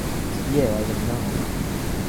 Yeah, I don't know.